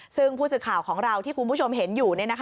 ซึ่งผู้สื่อข่าวของเราที่คุณผู้ชมเห็นอยู่